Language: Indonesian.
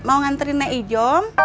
mau nganterin nek ijom